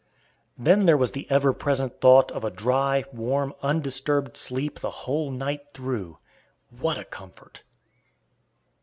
Then there was the ever present thought of a dry, warm, undisturbed sleep the whole night through. What a comfort!